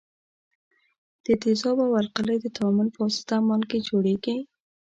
د تیزابو او القلیو د تعامل په واسطه مالګې جوړیږي.